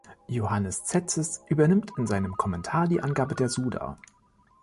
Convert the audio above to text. Johannes Tzetzes übernimmt in seinem Kommentar die Angabe der Suda.